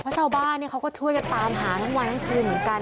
เพราะชาวบ้านเขาก็ช่วยกันตามหาทั้งวันทั้งคืนเหมือนกัน